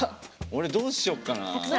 俺どうしよっかなあ。